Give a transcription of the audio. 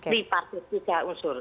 di partit tiga unsur